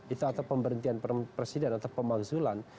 itu atau pemberhentian presiden atau pemakzulan